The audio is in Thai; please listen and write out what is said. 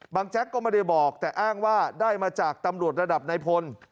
แจ๊กก็ไม่ได้บอกแต่อ้างว่าได้มาจากตำรวจระดับนายพล